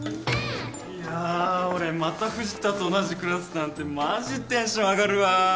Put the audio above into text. いや俺また藤田と同じクラスなんてマジテンション上がるわ。